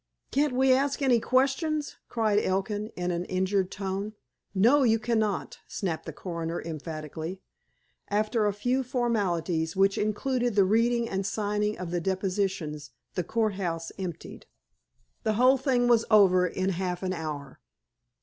"Can't we ask any questions?" cried Elkin, in an injured tone. "No. You cannot," snapped the coroner emphatically. After a few formalities, which included the reading and signing of the depositions, the courthouse emptied. The whole thing was over in half an hour.